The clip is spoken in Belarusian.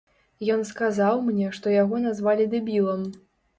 Ён сказаў мне, што яго назвалі дэбілам.